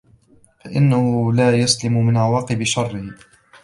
فَإِنَّهُ لَا يُسْلَمُ مِنْ عَوَاقِبِ شَرِّهِ